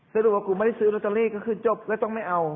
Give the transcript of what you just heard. สรุปว่ากูไม่ได้ซื้อลอตเตอรี่ก็คือจบแล้วต้องไม่เอา